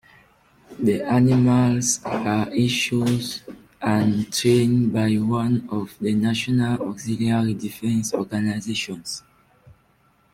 The animals are issued and trained by one of the national auxiliary defence organizations.